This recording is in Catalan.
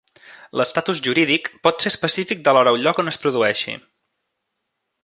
L'estatus jurídic pot ser específic de l'hora o lloc on es produeixi.